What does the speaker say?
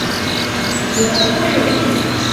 وَتَعْفُو حِلْمًا